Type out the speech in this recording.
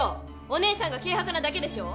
お姉さんが軽薄なだけでしょ！